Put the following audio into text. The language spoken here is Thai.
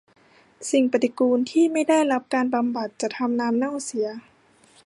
สิ่งปฏิกูลที่ไม่ได้รับการบำบัดจะทำน้ำเน่าเสีย